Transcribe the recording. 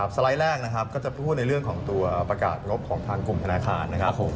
สไลด์แรกนะครับก็จะพูดในเรื่องของตัวประกาศงบของทางกลุ่มธนาคารนะครับผม